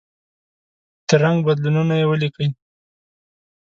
د رنګ بدلونونه یې ولیکئ.